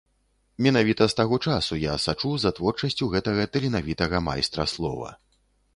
Менавіта з таго часу я сачу за творчасцю гэтага таленавітага майстра слова.